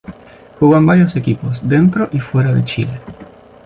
Jugó en varios equipos, dentro y fuera de Chile.